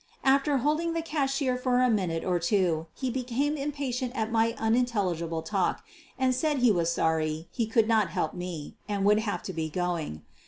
After holding the cashier for a minute or two, he became impatient at my unintelligible talk and said he was sorry he could not help me and would have to be going.